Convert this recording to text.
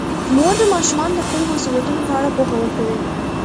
مور د ماشومانو د خپلو مسوولیتونو په اړه پوهه ورکوي.